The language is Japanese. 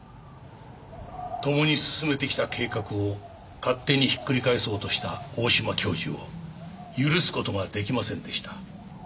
「共に進めてきた計画を勝手にひっくり返そうとした大島教授を許す事ができませんでした」